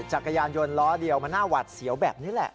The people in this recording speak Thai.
จักรยานยนต์ล้อเดียวมันน่าหวัดเสียวแบบนี้แหละ